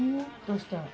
どうして？